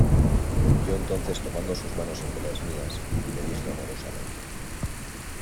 yo entonces tomando sus manos entre las mías, le dije amorosamente: